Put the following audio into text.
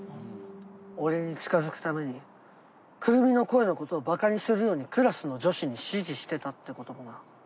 俺に近づくために久留美の声のことをバカにするようにクラスの女子に指示してたってこともな。